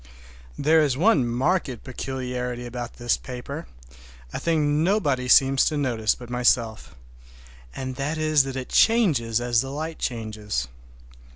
There is one marked peculiarity about this paper, a thing nobody seems to notice but myself, and that is that it changes as the light changes.